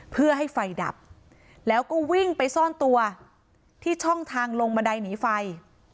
เพื่อให้ไฟดับแล้วก็วิ่งไปซ่อนตัวที่ช่องทางลงบันไดหนีไฟ